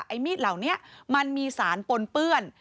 มีดเหล่านี้มันมีสารปนเปื้อน